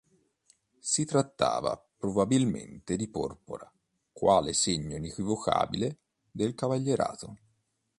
Si trattava probabilmente di porpora quale segno inequivocabile del cavalierato.